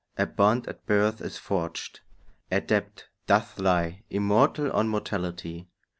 A bond at birth is forged; a debt doth lie Immortal on mortality.